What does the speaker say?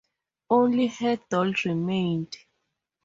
Only her doll remained.